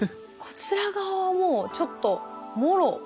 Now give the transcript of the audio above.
こちら側はもうちょっともろ。